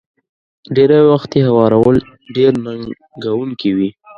ډېری وخت يې هوارول ډېر ننګوونکي وي.